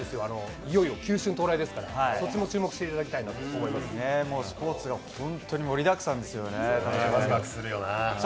いよいよ球春到来ですから、そっちも注目していただきたいなスポーツが本当に盛りだくさわくわくするよなぁ。